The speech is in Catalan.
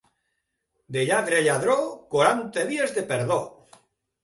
De lladre a lladró, quaranta dies de perdó.